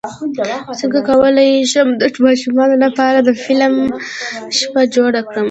څنګه کولی شم د ماشومانو لپاره د فلم شپه جوړه کړم